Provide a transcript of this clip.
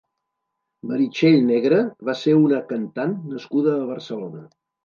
Meritxell Negre va ser una cantant nascuda a Barcelona.